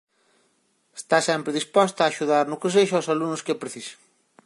Está sempre disposta a axudar no que sexa aos alumnos que a precisen.